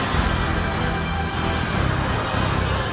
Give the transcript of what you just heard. seperti yang gue mulai growing